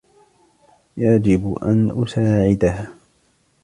يجب أن أساعدها.